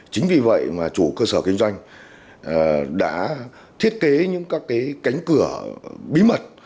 chính vì vậy mà chủ cơ sở kinh doanh đã thiết kế những các cái cánh cửa bí mật